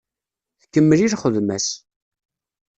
Tkemmel i lxedma-s.